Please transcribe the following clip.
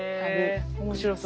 面白そう。